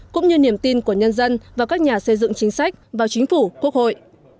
cũng như niềm tin của nhân dân và các nhà xây dựng chính sách vào chính phủ quốc hội